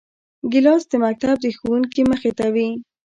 ګیلاس د مکتب د ښوونکي مخې ته وي.